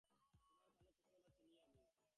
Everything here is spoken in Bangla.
তোমার কালো চশমাটা চিনি আমি।